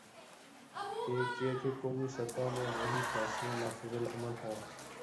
ایک یہ کہ قومی سطح میں وہی فیصلے نافذالعمل ہوں۔